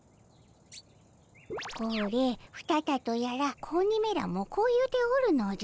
これフタタとやら子鬼めらもこう言うておるのじゃ。